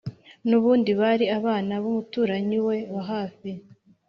nubundi bari abana b'umuturanyi we wa hafi,